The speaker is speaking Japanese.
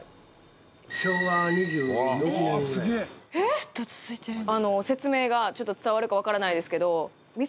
ずっと続いてるんだ。